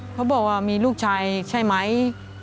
เขาบอกว่ามีลูกชายใช่ไหม